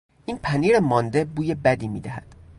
این پنیر مانده بوی بدی میدهد.